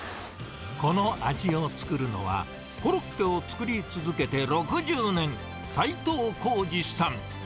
この味を作るのは、コロッケを作り続けて６０年、齊藤こうじさん。